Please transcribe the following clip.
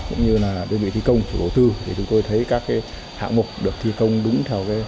cũng như là đơn vị thi công chủ đầu tư thì chúng tôi thấy các hạng mục được thi công đúng theo